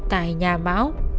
tại nhà mão